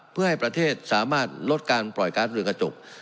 เพื่อให้ประเทศสามารถลดการปล่อยก๊าซเรือกระจก